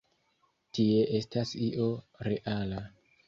Tie estas io reala.